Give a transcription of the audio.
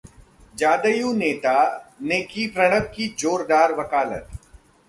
जदयू नेता ने की प्रणब की जोरदार वकालत